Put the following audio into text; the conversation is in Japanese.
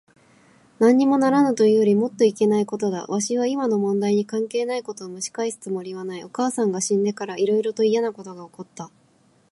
なんにもならぬというよりもっといけないことだ。わしは今の問題に関係ないことをむし返すつもりはない。お母さんが死んでから、いろいろといやなことが起った。